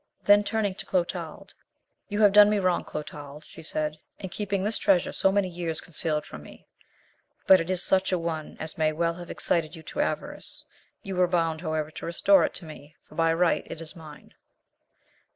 Then turning to Clotald, "You have done me wrong, Clotald," she said, "in keeping this treasure so many years concealed from me; but it is such a one as may well have excited you to avarice. You are bound however to restore it to me, for by right it is mine."